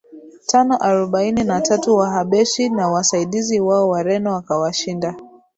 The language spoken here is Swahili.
tano arobaini na tatu Wahabeshi na wasaidizi wao Wareno wakawashinda